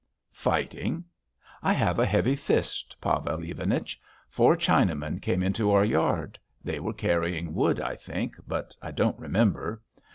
"Fighting. I have a heavy fist, Pavel Ivanich. Four Chinamen came into our yard: they were carrying wood, I think, but I don't remember.